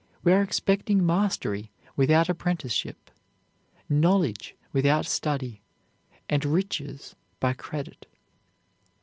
We are expecting mastery without apprenticeship, knowledge without study, and riches by credit.